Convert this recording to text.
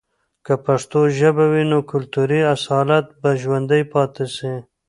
که پښتو ژبه وي، نو کلتوري اصالت به ژوندي پاتې سي.